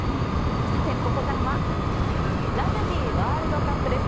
さて、ここからはラグビーワールドカップです。